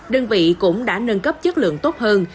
đơn vị cũng đã nâng cấp chất lượng tốt hơn